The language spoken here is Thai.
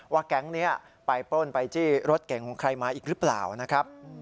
แก๊งนี้ไปปล้นไปจี้รถเก่งของใครมาอีกหรือเปล่านะครับ